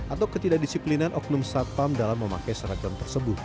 atau ketidakdisiplinan oknum satpam dalam memakai seragam tersebut